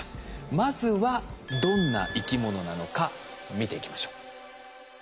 まずはどんな生き物なのか見ていきましょう。